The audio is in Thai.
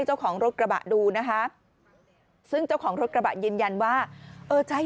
เจ้าของรถกระบะดูนะคะซึ่งเจ้าของรถกระบะยืนยันว่าเออใช้